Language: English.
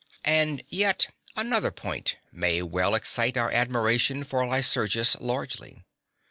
And yet another point may well excite our admiration for Lycurgus largely.